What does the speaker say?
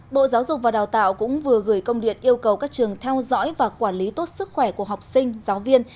bộ giáo dục và đào tạo cũng vừa gửi công điện yêu cầu các trường theo dõi và quản lý tốt sức khỏe của học sinh giáo viên